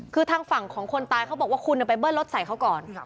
คือทางฝั่งของคนตายเขาบอกว่าคุณไปเบิ้ลรถใส่เขาก่อน